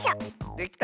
できた！